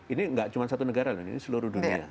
ini gak cuma satu negara ini seluruh dunia